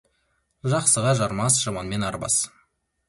Жақсыға жармас, жаманмен арбас.